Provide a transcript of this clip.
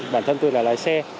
bản thân tôi là lái xe